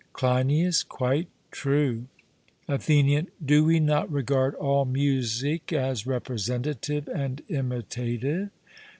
CLEINIAS: Quite true. ATHENIAN: Do we not regard all music as representative and imitative?